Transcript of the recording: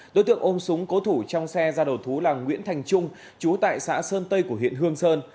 đối tượng ôm súng cố thủ trong xe ra đầu thú là nguyễn thành trung chú tại xã sơn tây của huyện hương sơn